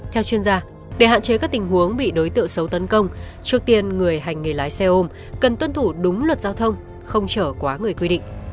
theo chuyên gia để hạn chế các tình huống bị đối tượng xấu tấn công trước tiên người hành nghề lái xe ôm cần tuân thủ đúng luật giao thông không trở quá người quy định